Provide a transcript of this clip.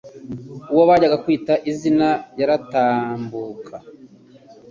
Uwo bajyaga kwita izina yaratambuka